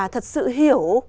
thật sự hiểu